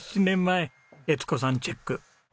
江津子さんチェック。